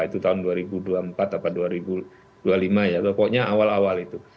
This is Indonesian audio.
itu tahun dua ribu dua puluh empat atau dua ribu dua puluh lima ya pokoknya awal awal itu